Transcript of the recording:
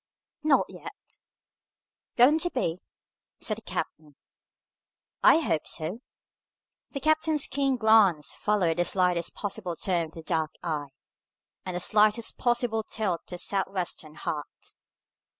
"Not yet." "Going to be?" said the captain. "I hope so." The captain's keen glance followed the slightest possible turn of the dark eye, and the slightest possible tilt of the Sou'wester hat.